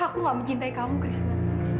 aku tidak mencintai kamu krishna